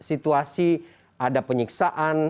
ada situasi ada penyiksaan